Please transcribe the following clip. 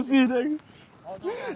em xin anh